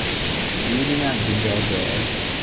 咦點解唔見咗嘅